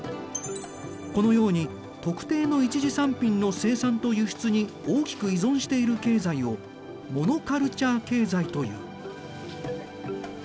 このように特定の一次産品の生産と輸出に大きく依存している経済をモノカルチャー経済という。